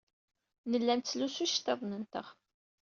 Nella nettlusu iceḍḍiḍen-nteɣ.